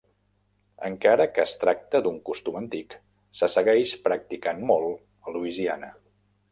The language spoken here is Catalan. Encara que es tracta d"un costum antic, se segueix practicant molt a Louisiana.